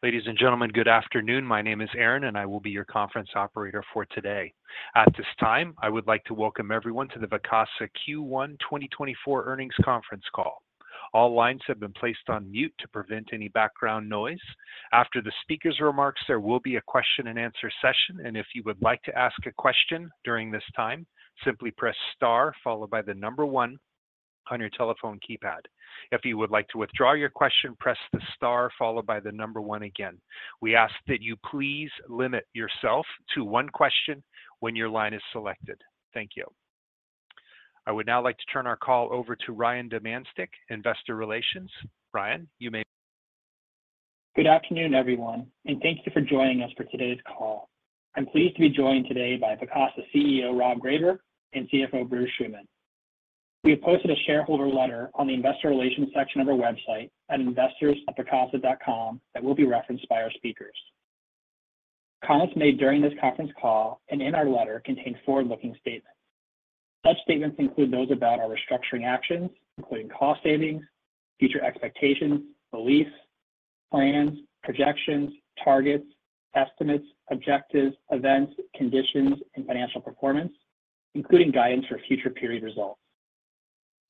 Ladies and gentlemen, good afternoon. My name is Aaron, and I will be your conference operator for today. At this time, I would like to welcome everyone to the Vacasa Q1 2024 earnings conference call. All lines have been placed on mute to prevent any background noise. After the speaker's remarks, there will be a question-and-answer session, and if you would like to ask a question during this time, simply press star followed by the number 1 on your telephone keypad. If you would like to withdraw your question, press the star followed by the number 1 again. We ask that you please limit yourself to one question when your line is selected. Thank you. I would now like to turn our call over to Ryan Domyancic, Investor Relations. Ryan, you may. Good afternoon, everyone, and thank you for joining us for today's call. I'm pleased to be joined today by Vacasa CEO Rob Greyber and CFO Bruce Schuman. We have posted a shareholder letter on the Investor Relations section of our website at investors@vacasa.com that will be referenced by our speakers. Comments made during this conference call and in our letter contain forward-looking statements. Such statements include those about our restructuring actions, including cost savings, future expectations, beliefs, plans, projections, targets, estimates, objectives, events, conditions, and financial performance, including guidance for future period results.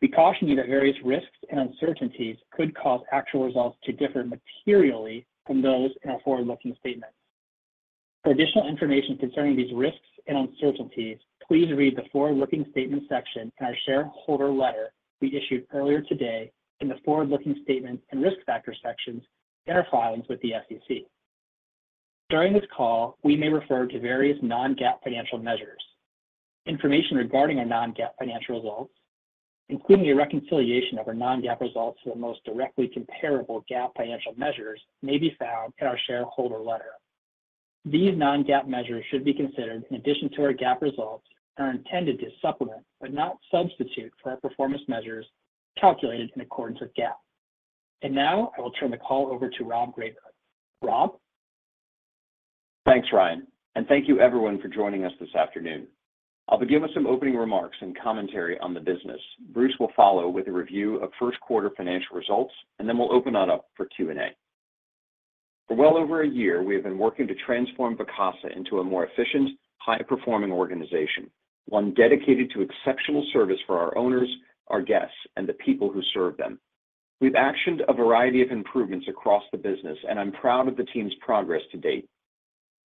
We caution you that various risks and uncertainties could cause actual results to differ materially from those in our forward-looking statements. For additional information concerning these risks and uncertainties, please read the forward-looking statements section in our shareholder letter we issued earlier today in the forward-looking statements and risk factors sections in our filings with the SEC. During this call, we may refer to various non-GAAP financial measures. Information regarding our non-GAAP financial results, including a reconciliation of our non-GAAP results to the most directly comparable GAAP financial measures, may be found in our shareholder letter. These non-GAAP measures should be considered in addition to our GAAP results and are intended to supplement but not substitute for our performance measures calculated in accordance with GAAP. And now I will turn the call over to Rob Greyber. Rob? Thanks, Ryan, and thank you, everyone, for joining us this afternoon. I'll begin with some opening remarks and commentary on the business. Bruce will follow with a review of first-quarter financial results, and then we'll open that up for Q&A. For well over a year, we have been working to transform Vacasa into a more efficient, high-performing organization, one dedicated to exceptional service for our owners, our guests, and the people who serve them. We've actioned a variety of improvements across the business, and I'm proud of the team's progress to date.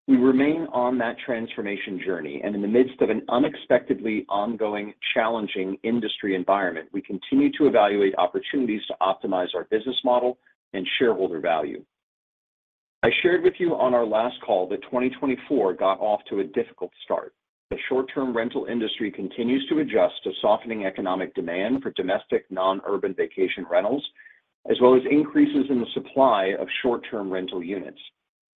We remain on that transformation journey, and in the midst of an unexpectedly ongoing, challenging industry environment, we continue to evaluate opportunities to optimize our business model and shareholder value. I shared with you on our last call that 2024 got off to a difficult start. The short-term rental industry continues to adjust to softening economic demand for domestic non-urban vacation rentals, as well as increases in the supply of short-term rental units.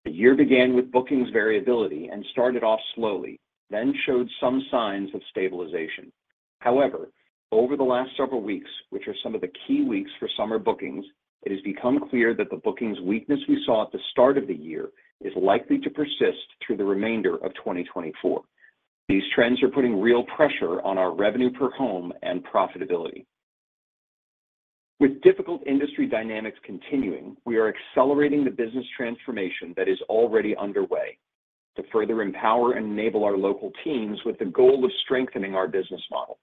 The year began with bookings variability and started off slowly, then showed some signs of stabilization. However, over the last several weeks, which are some of the key weeks for summer bookings, it has become clear that the bookings weakness we saw at the start of the year is likely to persist through the remainder of 2024. These trends are putting real pressure on our revenue per home and profitability. With difficult industry dynamics continuing, we are accelerating the business transformation that is already underway to further empower and enable our local teams with the goal of strengthening our business model.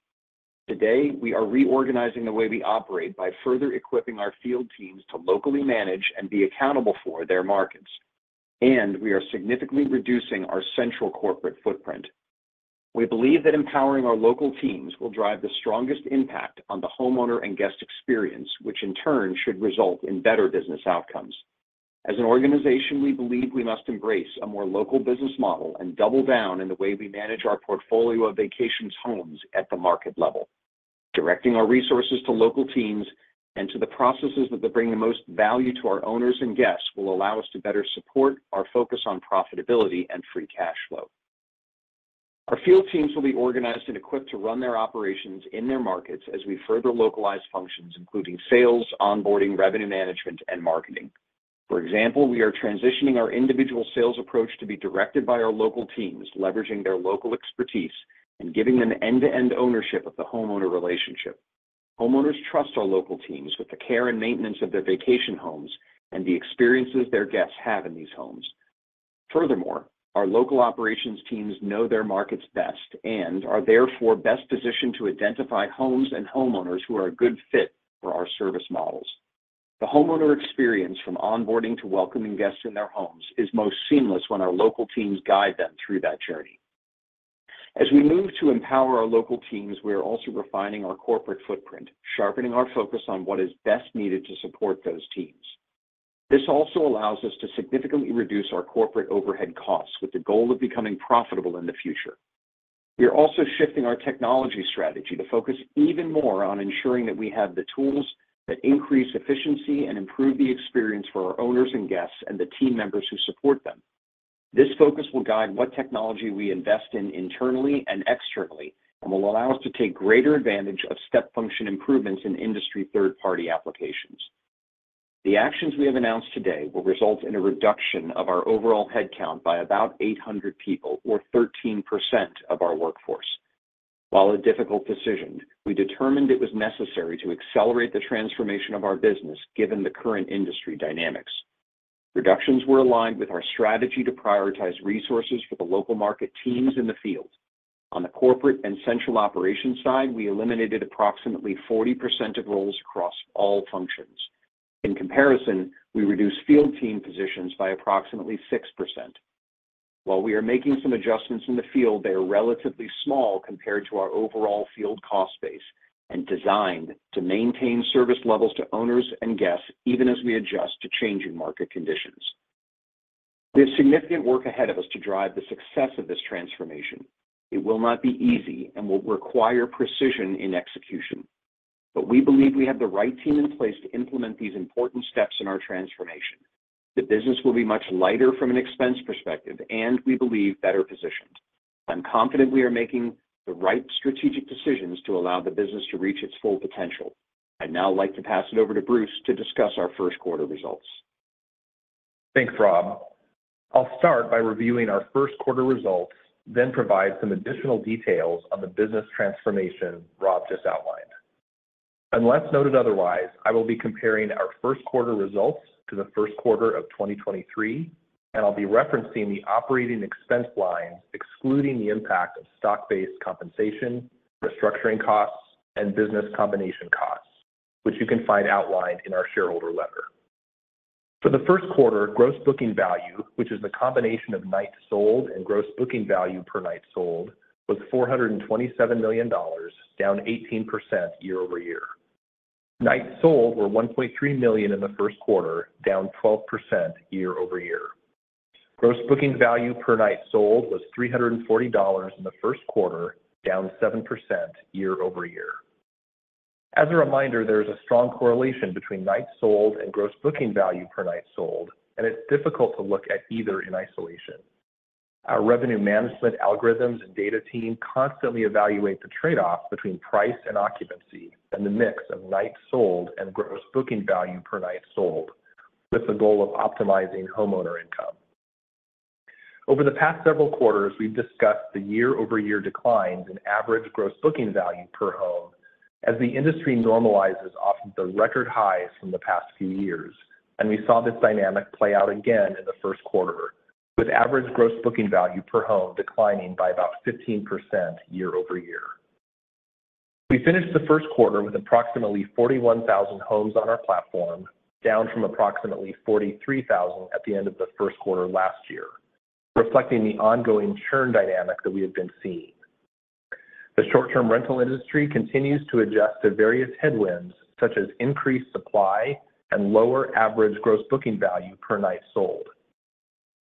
Today, we are reorganizing the way we operate by further equipping our field teams to locally manage and be accountable for their markets, and we are significantly reducing our central corporate footprint. We believe that empowering our local teams will drive the strongest impact on the homeowner and guest experience, which in turn should result in better business outcomes. As an organization, we believe we must embrace a more local business model and double down in the way we manage our portfolio of vacation homes at the market level. Directing our resources to local teams and to the processes that bring the most value to our owners and guests will allow us to better support our focus on profitability and free cash flow. Our field teams will be organized and equipped to run their operations in their markets as we further localize functions, including sales, onboarding, revenue management, and marketing. For example, we are transitioning our individual sales approach to be directed by our local teams, leveraging their local expertise and giving them end-to-end ownership of the homeowner relationship. Homeowners trust our local teams with the care and maintenance of their vacation homes and the experiences their guests have in these homes. Furthermore, our local operations teams know their markets best and are therefore best positioned to identify homes and homeowners who are a good fit for our service models. The homeowner experience from onboarding to welcoming guests in their homes is most seamless when our local teams guide them through that journey. As we move to empower our local teams, we are also refining our corporate footprint, sharpening our focus on what is best needed to support those teams. This also allows us to significantly reduce our corporate overhead costs with the goal of becoming profitable in the future. We are also shifting our technology strategy to focus even more on ensuring that we have the tools that increase efficiency and improve the experience for our owners and guests and the team members who support them. This focus will guide what technology we invest in internally and externally and will allow us to take greater advantage of step function improvements in industry third-party applications. The actions we have announced today will result in a reduction of our overall headcount by about 800 people, or 13% of our workforce. While a difficult decision, we determined it was necessary to accelerate the transformation of our business given the current industry dynamics. Reductions were aligned with our strategy to prioritize resources for the local market teams in the field. On the corporate and central operations side, we eliminated approximately 40% of roles across all functions. In comparison, we reduced field team positions by approximately 6%. While we are making some adjustments in the field, they are relatively small compared to our overall field cost base and designed to maintain service levels to owners and guests even as we adjust to changing market conditions. We have significant work ahead of us to drive the success of this transformation. It will not be easy and will require precision in execution. But we believe we have the right team in place to implement these important steps in our transformation. The business will be much lighter from an expense perspective, and we believe better positioned. I'm confident we are making the right strategic decisions to allow the business to reach its full potential. I'd now like to pass it over to Bruce to discuss our first-quarter results. Thanks, Rob. I'll start by reviewing our first-quarter results, then provide some additional details on the business transformation Rob just outlined. Unless noted otherwise, I will be comparing our first-quarter results to the first quarter of 2023, and I'll be referencing the operating expense lines excluding the impact of stock-based compensation, restructuring costs, and business combination costs, which you can find outlined in our shareholder letter. For the first quarter, gross booking value, which is the combination of night sold and gross booking value per night sold, was $427 million, down 18% year-over-year. Nights sold were 1.3 million in the first quarter, down 12% year-over-year. Gross booking value per night sold was $340 in the first quarter, down 7% year-over-year. As a reminder, there is a strong correlation between nights sold and gross booking value per night sold, and it's difficult to look at either in isolation. Our revenue management algorithms and data team constantly evaluate the trade-off between price and occupancy and the mix of nights sold and gross booking value per night sold with the goal of optimizing homeowner income. Over the past several quarters, we've discussed the year-over-year declines in average gross booking value per home as the industry normalizes off of the record highs from the past few years, and we saw this dynamic play out again in the first quarter, with average gross booking value per home declining by about 15% year-over-year. We finished the first quarter with approximately 41,000 homes on our platform, down from approximately at the end of the first quarter last year, reflecting the ongoing churn dynamic that we have been seeing. The short-term rental industry continues to adjust to various headwinds such as increased supply and lower average gross booking value per night sold.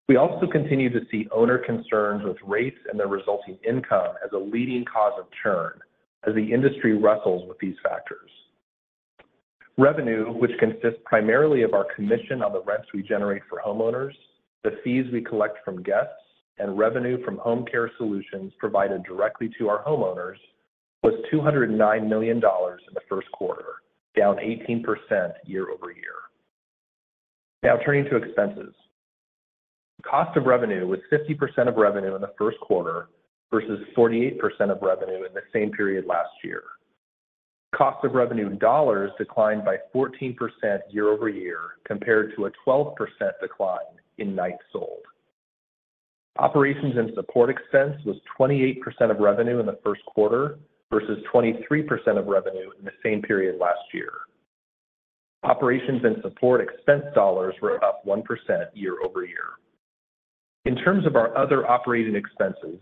We also continue to see owner concerns with rates and their resulting income as a leading cause of churn as the industry wrestles with these factors. Revenue, which consists primarily of our commission on the rents we generate for homeowners, the fees we collect from guests, and revenue from home care solutions provided directly to our homeowners, was $209 million in the first quarter, down 18% year-over-year. Now turning to expenses. Cost of revenue was 50% of revenue in the first quarter versus 48% of revenue in the same period last year. Cost of revenue in dollars declined by 14% year-over-year compared to a 12% decline in nights sold. Operations and support expense was 28% of revenue in the first quarter versus 23% of revenue in the same period last year. Operations and support expense dollars were up 1% year-over-year. In terms of our other operating expenses,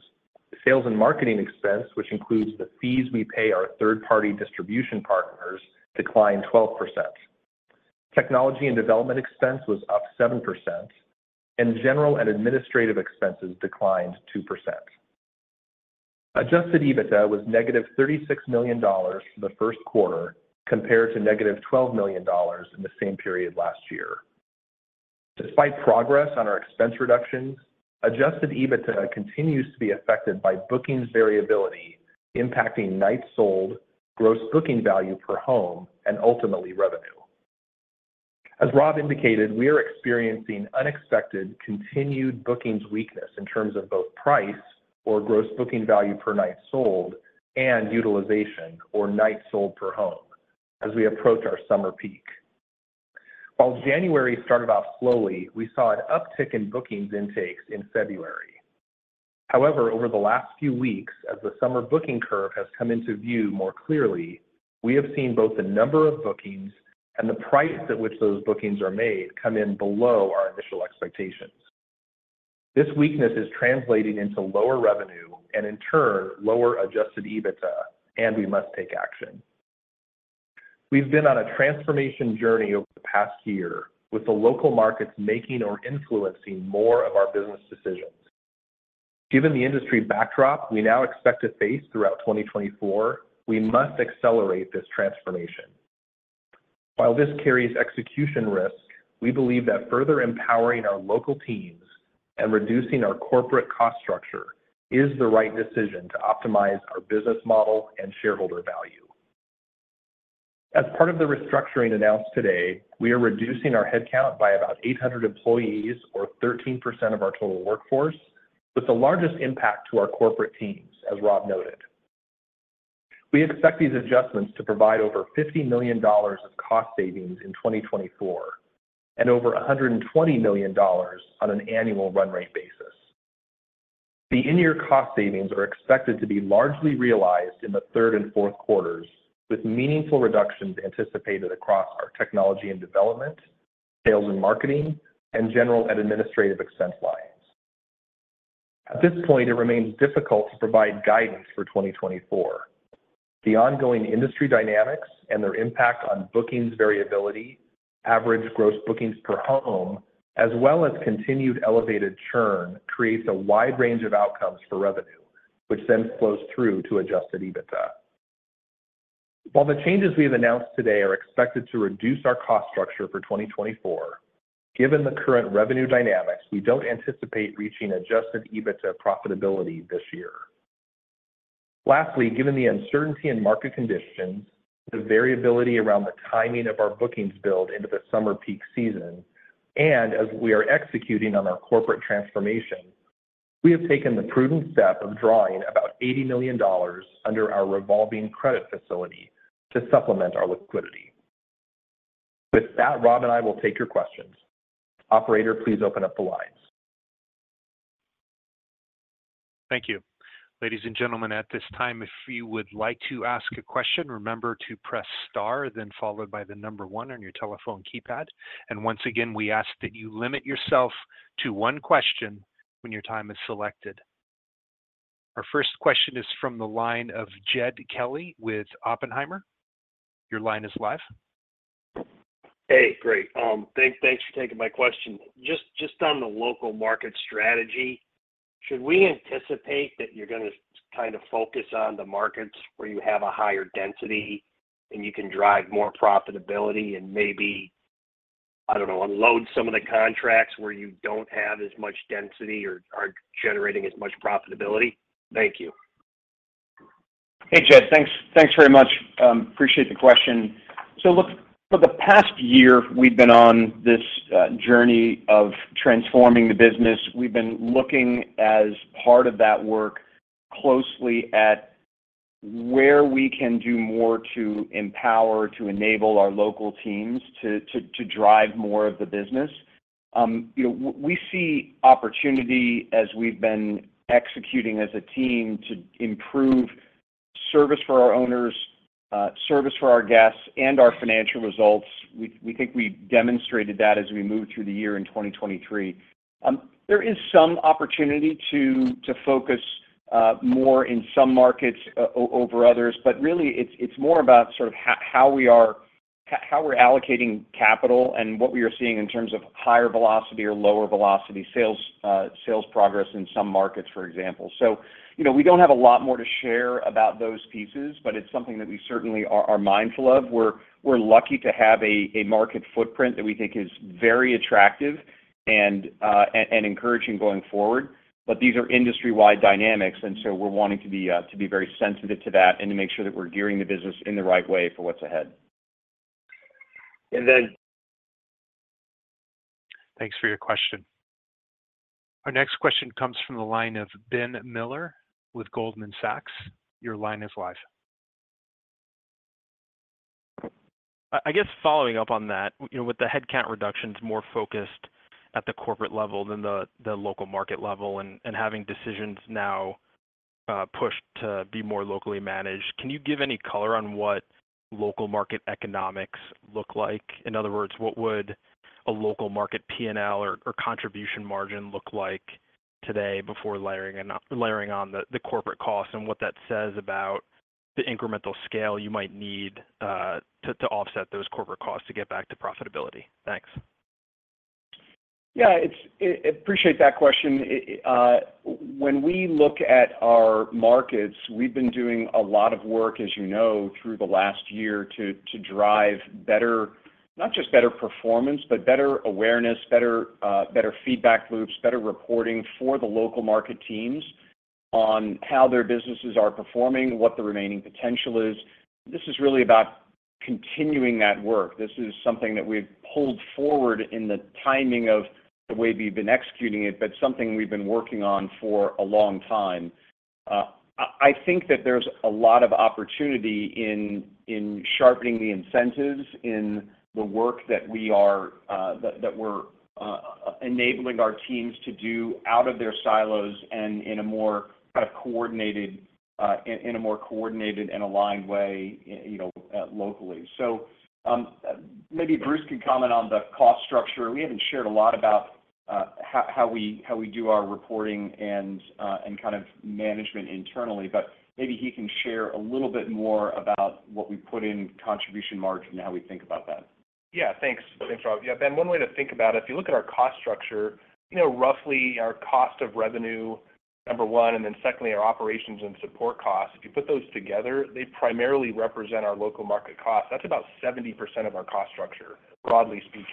sales and marketing expense, which includes the fees we pay our third-party distribution partners, declined 12%. Technology and development expense was up 7%, and general and administrative expenses declined 2%. Adjusted EBITDA was negative $36 million for the first quarter compared to negative $12 million in the same period last year. Despite progress on our expense reductions, Adjusted EBITDA continues to be affected by bookings variability impacting nights sold, gross booking value per home, and ultimately revenue. As Rob indicated, we are experiencing unexpected continued bookings weakness in terms of both price or gross booking value per night sold and utilization or nights sold per home as we approach our summer peak. While January started off slowly, we saw an uptick in bookings intakes in February. However, over the last few weeks, as the summer booking curve has come into view more clearly, we have seen both the number of bookings and the price at which those bookings are made come in below our initial expectations. This weakness is translating into lower revenue and, in turn, lower Adjusted EBITDA, and we must take action. We've been on a transformation journey over the past year with the local markets making or influencing more of our business decisions. Given the industry backdrop we now expect to face throughout 2024, we must accelerate this transformation. While this carries execution risk, we believe that further empowering our local teams and reducing our corporate cost structure is the right decision to optimize our business model and shareholder value. As part of the restructuring announced today, we are reducing our headcount by about 800 employees, or 13% of our total workforce, with the largest impact to our corporate teams, as Rob noted. We expect these adjustments to provide over $50 million of cost savings in 2024 and over $120 million on an annual run-rate basis. The in-year cost savings are expected to be largely realized in the third and fourth quarters, with meaningful reductions anticipated across our technology and development, sales and marketing, and general and administrative expense lines. At this point, it remains difficult to provide guidance for 2024. The ongoing industry dynamics and their impact on bookings variability, average gross bookings per home, as well as continued elevated churn creates a wide range of outcomes for revenue, which then flows through to Adjusted EBITDA. While the changes we have announced today are expected to reduce our cost structure for 2024, given the current revenue dynamics, we don't anticipate reaching Adjusted EBITDA profitability this year. Lastly, given the uncertainty in market conditions, the variability around the timing of our bookings build into the summer peak season, and as we are executing on our corporate transformation, we have taken the prudent step of drawing about $80 million under our revolving credit facility to supplement our liquidity. With that, Rob and I will take your questions. Operator, please open up the lines. Thank you. Ladies and gentlemen, at this time, if you would like to ask a question, remember to press star, then followed by the number 1 on your telephone keypad. Once again, we ask that you limit yourself to one question when your time is selected. Our first question is from the line of Jed Kelly with Oppenheimer. Your line is live. Hey, great. Thanks for taking my question. Just on the local market strategy, should we anticipate that you're going to kind of focus on the markets where you have a higher density and you can drive more profitability and maybe, I don't know, unload some of the contracts where you don't have as much density or aren't generating as much profitability? Thank you. Hey, Jed. Thanks very much. Appreciate the question. So look, for the past year, we've been on this journey of transforming the business. We've been looking as part of that work closely at where we can do more to empower, to enable our local teams to drive more of the business. We see opportunity as we've been executing as a team to improve service for our owners, service for our guests, and our financial results. We think we demonstrated that as we moved through the year in 2023. There is some opportunity to focus more in some markets over others, but really, it's more about sort of how we're allocating capital and what we are seeing in terms of higher velocity or lower velocity sales progress in some markets, for example. So we don't have a lot more to share about those pieces, but it's something that we certainly are mindful of. We're lucky to have a market footprint that we think is very attractive and encouraging going forward, but these are industry-wide dynamics, and so we're wanting to be very sensitive to that and to make sure that we're gearing the business in the right way for what's ahead. And then. Thanks for your question. Our next question comes from the line of Ben Miller with Goldman Sachs. Your line is live. I guess following up on that, with the headcount reductions more focused at the corporate level than the local market level and having decisions now pushed to be more locally managed, can you give any color on what local market economics look like? In other words, what would a local market P&L or contribution margin look like today before layering on the corporate costs and what that says about the incremental scale you might need to offset those corporate costs to get back to profitability? Thanks. Yeah, I appreciate that question. When we look at our markets, we've been doing a lot of work, as you know, through the last year to drive not just better performance, but better awareness, better feedback loops, better reporting for the local market teams on how their businesses are performing, what the remaining potential is. This is really about continuing that work. This is something that we've pulled forward in the timing of the way we've been executing it, but something we've been working on for a long time. I think that there's a lot of opportunity in sharpening the incentives, in the work that we're enabling our teams to do out of their silos and in a more coordinated and aligned way locally. So maybe Bruce could comment on the cost structure. We haven't shared a lot about how we do our reporting and kind of management internally, but maybe he can share a little bit more about what we put in contribution margin and how we think about that. Yeah, thanks. Thanks, Rob. Yeah, Ben, one way to think about it, if you look at our cost structure, roughly our cost of revenue, number one, and then secondly, our operations and support costs, if you put those together, they primarily represent our local market costs. That's about 70% of our cost structure, broadly speaking.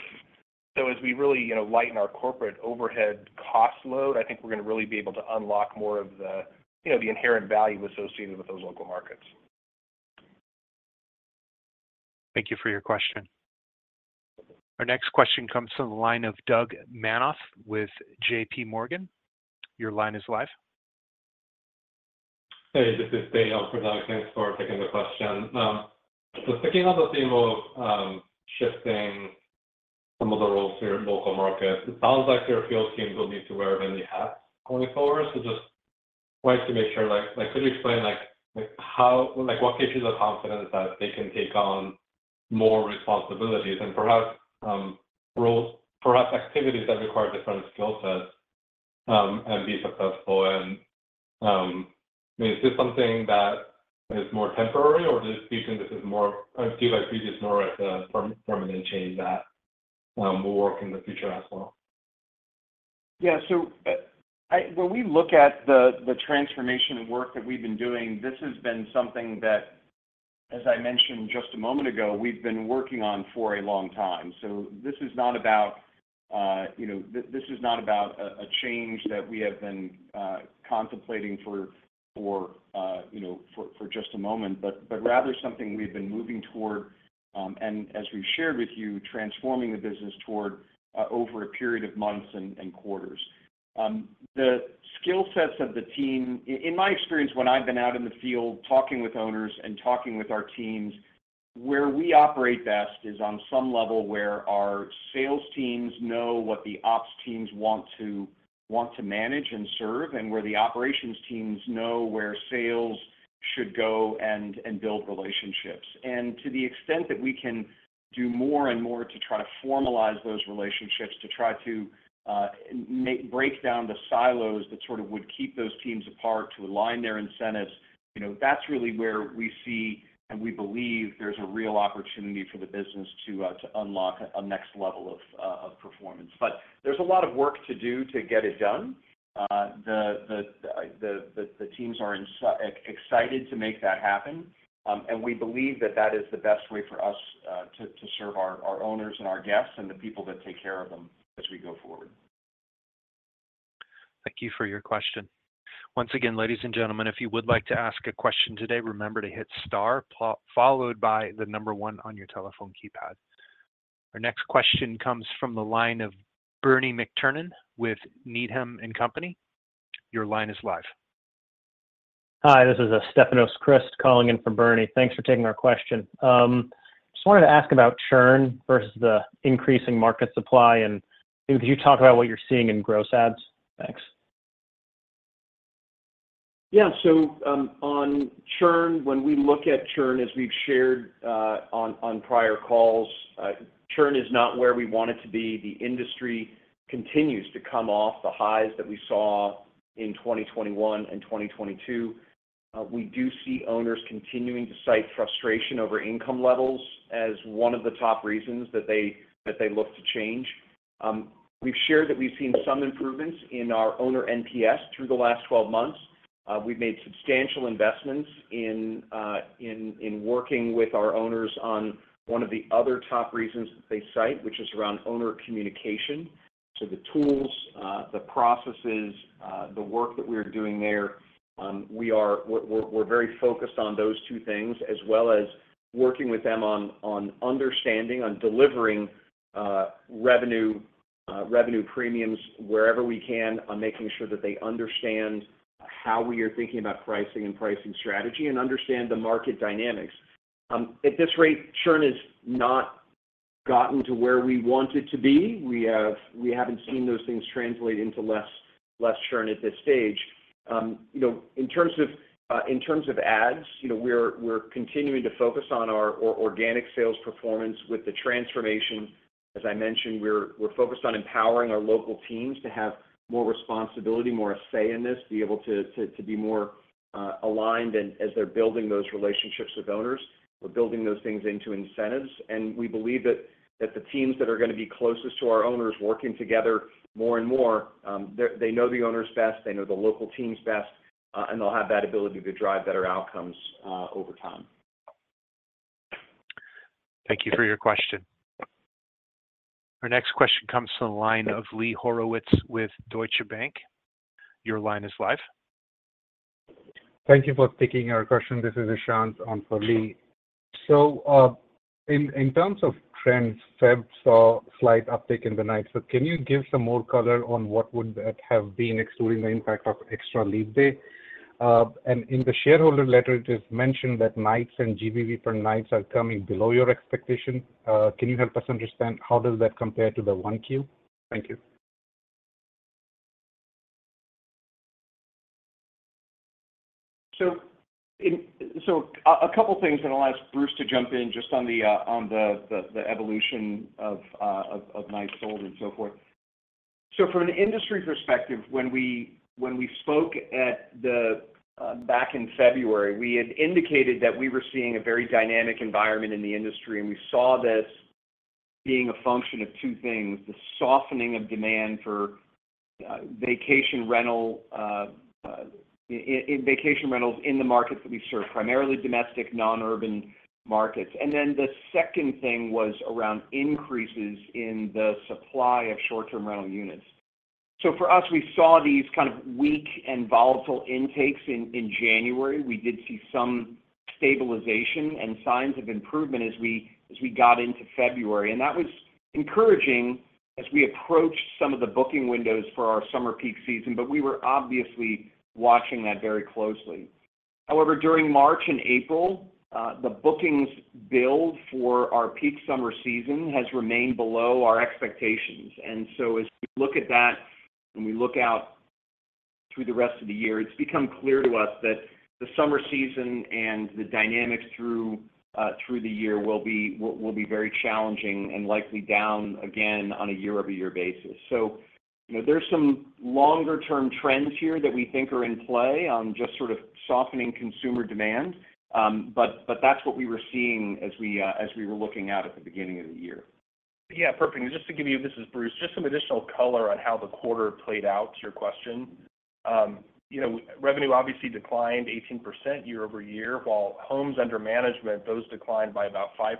So as we really lighten our corporate overhead cost load, I think we're going to really be able to unlock more of the inherent value associated with those local markets. Thank you for your question. Our next question comes from the line of Doug Manoff with JPMorgan. Your line is live. Hey, this is Dale from Doug. Thanks for taking the question. So thinking on the theme of shifting some of the roles here at local markets, it sounds like their field teams will need to wear many hats going forward. So just wanted to make sure, could you explain what gives you the confidence that they can take on more responsibilities and perhaps activities that require different skill sets and be successful? And is this something that is more temporary, or do you guys see this more as a permanent change that will work in the future as well? Yeah, so when we look at the transformation work that we've been doing, this has been something that, as I mentioned just a moment ago, we've been working on for a long time. So this is not about a change that we have been contemplating for just a moment, but rather something we've been moving toward, and as we've shared with you, transforming the business toward over a period of months and quarters. The skill sets of the team, in my experience, when I've been out in the field talking with owners and talking with our teams, where we operate best is on some level where our sales teams know what the ops teams want to manage and serve and where the operations teams know where sales should go and build relationships. To the extent that we can do more and more to try to formalize those relationships, to try to break down the silos that sort of would keep those teams apart to align their incentives, that's really where we see and we believe there's a real opportunity for the business to unlock a next level of performance. There's a lot of work to do to get it done. The teams are excited to make that happen, and we believe that that is the best way for us to serve our owners and our guests and the people that take care of them as we go forward. Thank you for your question. Once again, ladies and gentlemen, if you would like to ask a question today, remember to hit star followed by the number one on your telephone keypad. Our next question comes from the line of Bernie McTernan with Needham and Company. Your line is live. Hi, this is Stefanos Crist calling in from Bernie. Thanks for taking our question. I just wanted to ask about churn versus the increasing market supply and maybe could you talk about what you're seeing in gross ADRs? Thanks. Yeah, so on churn, when we look at churn, as we've shared on prior calls, churn is not where we want it to be. The industry continues to come off the highs that we saw in 2021 and 2022. We do see owners continuing to cite frustration over income levels as one of the top reasons that they look to change. We've shared that we've seen some improvements in our owner NPS through the last 12 months. We've made substantial investments in working with our owners on one of the other top reasons that they cite, which is around owner communication. So the tools, the processes, the work that we are doing there, we're very focused on those two things as well as working with them on understanding, on delivering revenue premiums wherever we can, on making sure that they understand how we are thinking about pricing and pricing strategy and understand the market dynamics. At this rate, churn has not gotten to where we want it to be. We haven't seen those things translate into less churn at this stage. In terms of ads, we're continuing to focus on our organic sales performance with the transformation. As I mentioned, we're focused on empowering our local teams to have more responsibility, more a say in this, be able to be more aligned as they're building those relationships with owners. We're building those things into incentives. We believe that the teams that are going to be closest to our owners, working together more and more. They know the owners best, they know the local teams best, and they'll have that ability to drive better outcomes over time. Thank you for your question. Our next question comes from the line of Lee Horowitz with Deutsche Bank. Your line is live. Thank you for taking our question. This is Ishant for Lee. So in terms of trends, Feb saw a slight uptick in the nights. So can you give some more color on what would have been excluding the impact of extra leave day? And in the shareholder letter, it is mentioned that nights and GBV per nights are coming below your expectation. Can you help us understand how does that compare to the Q1? Thank you. So a couple of things that allowed Bruce to jump in just on the evolution of nights sold and so forth. So from an industry perspective, when we spoke back in February, we had indicated that we were seeing a very dynamic environment in the industry, and we saw this being a function of two things: the softening of demand for vacation rentals in the markets that we serve, primarily domestic, non-urban markets. And then the second thing was around increases in the supply of short-term rental units. So for us, we saw these kind of weak and volatile intakes in January. We did see some stabilization and signs of improvement as we got into February. And that was encouraging as we approached some of the booking windows for our summer peak season, but we were obviously watching that very closely. However, during March and April, the bookings billed for our peak summer season has remained below our expectations. So as we look at that and we look out through the rest of the year, it's become clear to us that the summer season and the dynamics through the year will be very challenging and likely down again on a year-over-year basis. There's some longer-term trends here that we think are in play on just sort of softening consumer demand, but that's what we were seeing as we were looking out at the beginning of the year. Yeah, perfect. And just to give you this is Bruce, just some additional color on how the quarter played out to your question. Revenue obviously declined 18% year-over-year, while homes under management, those declined by about 5%.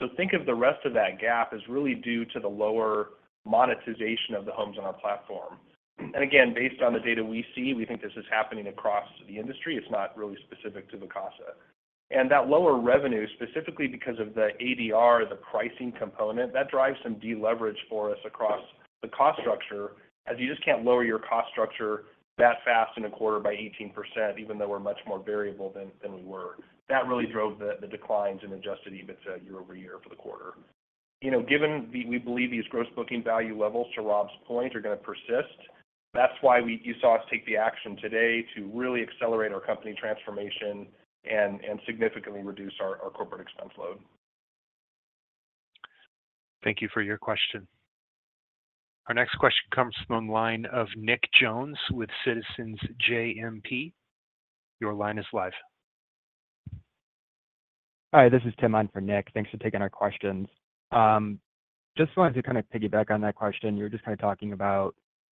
So think of the rest of that gap as really due to the lower monetization of the homes on our platform. And again, based on the data we see, we think this is happening across the industry. It's not really specific to Vacasa. And that lower revenue, specifically because of the ADR, the pricing component, that drives some deleverage for us across the cost structure as you just can't lower your cost structure that fast in a quarter by 18%, even though we're much more variable than we were. That really drove the declines and Adjusted EBITDA year-over-year for the quarter. Given we believe these gross booking value levels, to Rob's point, are going to persist, that's why you saw us take the action today to really accelerate our company transformation and significantly reduce our corporate expense load. Thank you for your question. Our next question comes from the line of Nick Jones with Citizens JMP. Your line is live. Hi, this is Tim Hunt for Nick. Thanks for taking our questions. Just wanted to kind of piggyback on that question. You were just kind of talking about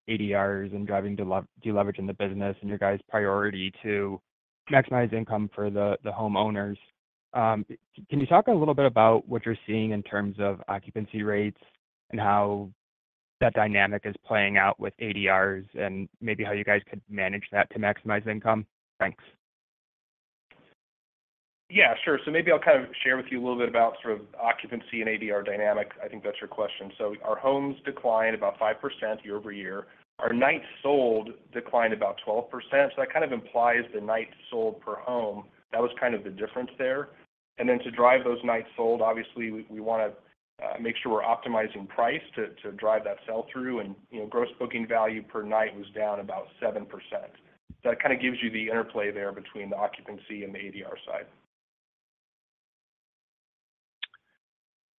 ADRs and driving deleverage in the business and your guys' priority to maximize income for the homeowners. Can you talk a little bit about what you're seeing in terms of occupancy rates and how that dynamic is playing out with ADRs and maybe how you guys could manage that to maximize income? Thanks. Yeah, sure. So maybe I'll kind of share with you a little bit about sort of occupancy and ADR dynamics. I think that's your question. So our homes declined about 5% year-over-year. Our nights sold declined about 12%. So that kind of implies the nights sold per home. That was kind of the difference there. And then to drive those nights sold, obviously, we want to make sure we're optimizing price to drive that sell-through, and gross booking value per night was down about 7%. So that kind of gives you the interplay there between the occupancy and the ADR side.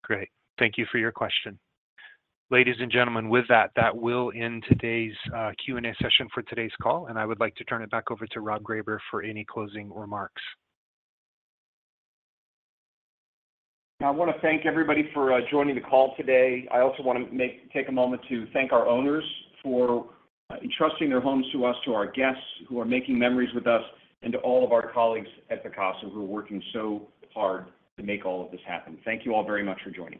Great. Thank you for your question. Ladies and gentlemen, with that, that will end today's Q&A session for today's call, and I would like to turn it back over to Rob Greyber for any closing remarks. I want to thank everybody for joining the call today. I also want to take a moment to thank our owners for entrusting their homes to us, to our guests who are making memories with us, and to all of our colleagues at Vacasa who are working so hard to make all of this happen. Thank you all very much for joining.